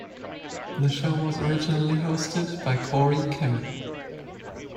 The show was originally hosted by Cory Kimm.